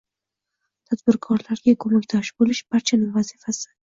Tadbirkorlarga ko‘makdosh bo‘lish – barchaning vazifasi